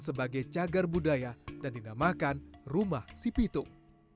sebagai cagar budaya dan dinamakan rumah si pitung